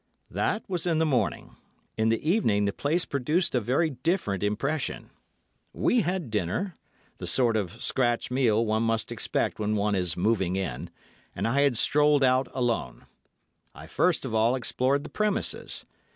"That was in the morning. In the evening the place produced a very different impression. We had dinner—the sort of scratch meal one must expect when one is 'moving in,' and I had strolled out alone. I first of all explored the premises.